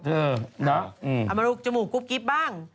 เอาคุณไปลุกจมูกกลุ๊บกิ๊บบ้าง